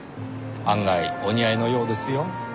案外お似合いのようですよ。